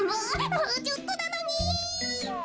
もうちょっとなのに。